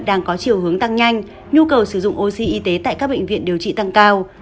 đang có chiều hướng tăng nhanh nhu cầu sử dụng oxy y tế tại các bệnh viện điều trị tăng cao